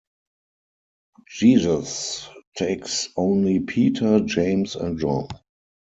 Jesus takes only Peter, James, and John.